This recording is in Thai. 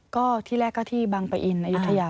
ก็ที่แรกก็ที่บังปะอินอายุทยา